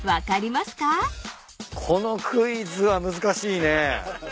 このクイズは難しいね。